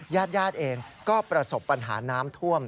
ญาติญาติเองก็ประสบปัญหาน้ำท่วม